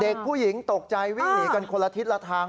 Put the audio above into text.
เด็กผู้หญิงตกใจวิ่งหนีกันคนละทิศละทาง